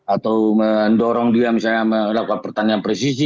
atau mendorong dia misalnya melakukan pertanyaan presisi